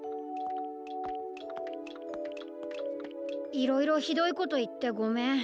いろいろひどいこといってごめん。